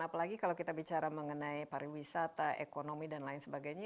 apalagi kalau kita bicara mengenai pariwisata ekonomi dan lain sebagainya